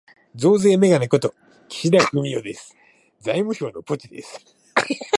増税めがね事、岸田文雄です。財務省のポチです。